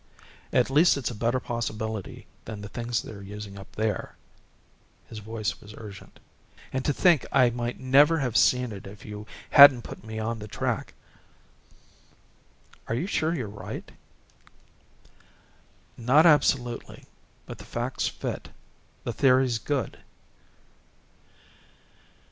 At least it's a better possibility than the things they're using up there." His voice was urgent. "And to think I might never have seen it if you hadn't put me on the track." "Are you sure you're right?" "Not absolutely, but the facts fit. The theory's good."